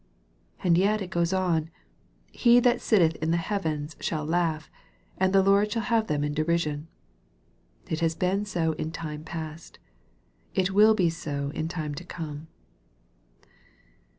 And yet it goes on, " He that sitteth in the heavens shall laugh : the Lord shall have them in derision." It has been so in time past. It will be so in time to come.